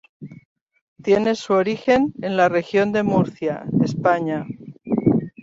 Tiene su origen en la Región de Murcia, España.